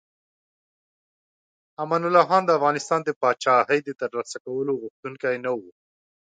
امان الله خان د افغانستان د پاچاهۍ د ترلاسه کولو غوښتونکی نه و.